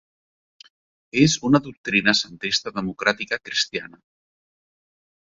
És una doctrina centrista democràtica cristiana.